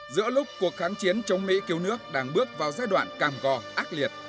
giữa lúc cuộc kháng chiến chống mỹ cứu nước đang bước vào giai đoạn càng gò ác liệt